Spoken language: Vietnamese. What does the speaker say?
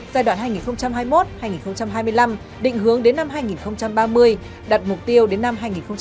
giai đoạn hai nghìn hai mươi một hai nghìn hai mươi năm định hướng đến năm hai nghìn ba mươi đặt mục tiêu đến năm hai nghìn năm mươi